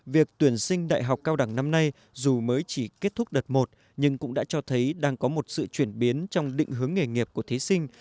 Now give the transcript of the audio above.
việc tuyển sinh đại học cao đẳng năm nay dù mới chỉ kết thúc đợt một nhưng cũng đã cho thấy đang có một sự chuyển biến trong định hướng nghề nghiệp của thí sinh